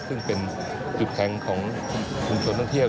ซึ่งเป็นจุดแข็งของชุมชนท่องเที่ยว